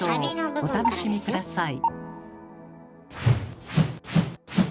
お楽しみ下さい。